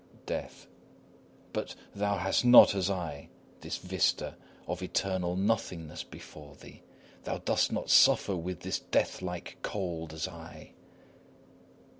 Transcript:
DEATH. But thou hast not, as I, this vista of eternal nothingness before thee; thou dost not suffer with this death like cold, as I.